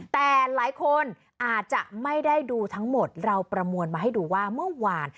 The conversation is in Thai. แต่หลายคนอาจจะไม่ได้ดูทั้งหมดเราประมวลมาให้ดูว่าเมื่อวาน